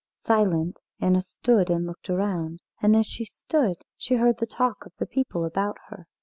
Silent, Anna stood and looked around. And as she stood she heard the talk of the people about her.